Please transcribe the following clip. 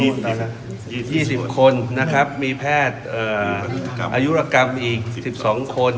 ยี่สิบยี่สิบคนนะครับมีแพทย์เอ่ออายุระกรรมอีกสิบสองคน